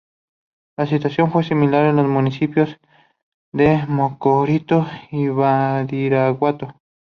La situación fue similar en los municipios de Mocorito y Badiraguato.